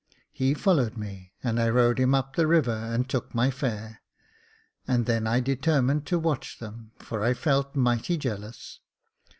He followed me, and I rowed him up the river and took my fare — and then I determined to watch them, for I felt mighty jealous.